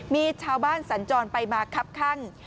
มีชาวบ้านสัญจรไปมาครับข้าง